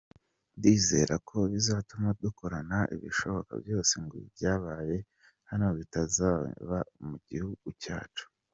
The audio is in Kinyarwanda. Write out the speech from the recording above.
Ndizera ko bizatuma dukora ibishoboka byose ngo ibyabaye hano bitazaba mu gihugu cyacu”.